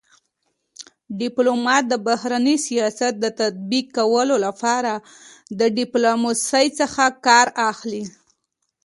ډيپلومات دبهرني سیاست د تطبيق کولو لپاره د ډيپلوماسی څخه کار اخلي.